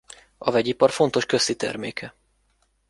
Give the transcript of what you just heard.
A vegyipar fontos köztiterméke.